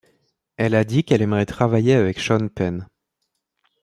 Elle a dit qu'elle aimerait travailler avec Sean Penn.